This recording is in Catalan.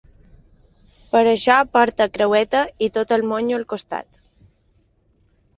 Per això porte creueta i tot el monyo al costat.